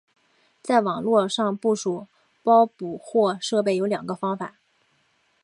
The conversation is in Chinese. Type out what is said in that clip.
在网络上部署包捕获设备有两个方法。